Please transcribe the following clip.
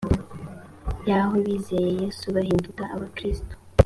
yaho bizeye yesu bahinduka abakristo